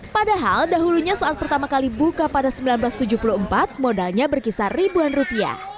padahal dahulunya saat pertama kali buka pada seribu sembilan ratus tujuh puluh empat modalnya berkisar ribuan rupiah